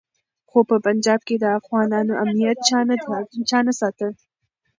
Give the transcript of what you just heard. خو په پنجاب کي د افغانانو امنیت چا نه ساته.